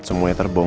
tapi merasa tersebar